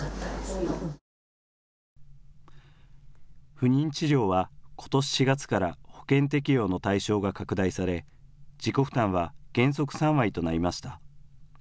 不妊治療は、ことし４月から保険適用の対象が拡大され自己負担は原則３割となりました。